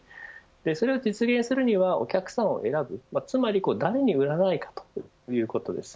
それを実現するためにはお客さんを選ぶ、つまり誰に売らないかということです。